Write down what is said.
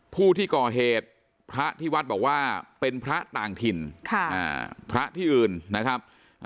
ผู้ที่ก่อเหตุพระที่วัดบอกว่าเป็นพระต่างถิ่นพระที่อื่นนะครับ